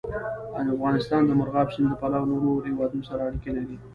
افغانستان د مورغاب سیند له پلوه له نورو هېوادونو سره اړیکې لري.